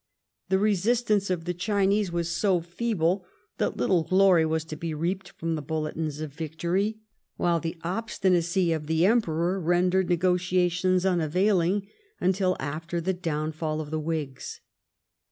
The resistance of the Chinese was so feeble that little glory was to be reaped from the bulletins of victory, while the obstinacy of the Emperor rendered negotiations unavailing until after the downfall of the Whigs.